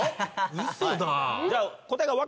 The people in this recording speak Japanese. ウソだ。